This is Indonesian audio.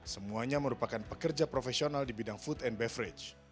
semuanya merupakan pekerja profesional di bidang food and beverage